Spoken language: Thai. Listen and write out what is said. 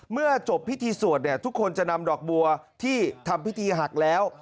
เมื่อจบพิธีสวดเนี่ยทุกคนจะนำดอกบัวที่ทำพิธีหักแล้ว